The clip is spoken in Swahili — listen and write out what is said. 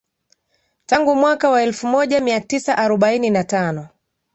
Tangu mwaka wa elfu moja mia tisa arobaini na tano